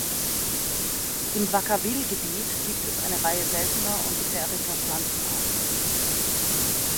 Im Vacaville-Gebiet gibt es eine Reihe seltener und gefährdeter Pflanzenarten.